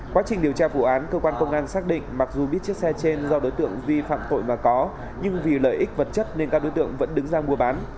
quá trình điều tra vụ án cơ quan công an xác định mặc dù biết chiếc xe trên do đối tượng vi phạm tội mà có nhưng vì lợi ích vật chất nên các đối tượng vẫn đứng ra mua bán